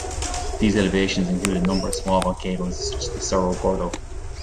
These elevations include a number of small volcanoes such as the "Cerro Gordo".